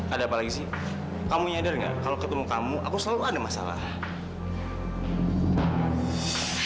ada apa lagi sih kamu nyadar nggak kalau ketemu kamu aku selalu ada masalah